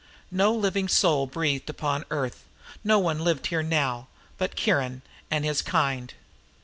No living soul breathed upon the Earth. No one lived here now, but Kiron and his kind.